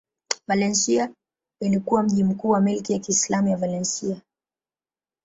Valencia ilikuwa mji mkuu wa milki ya Kiislamu ya Valencia.